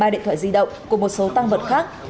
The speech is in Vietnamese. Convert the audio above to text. hai mươi ba điện thoại di động cùng một số tăng vật khác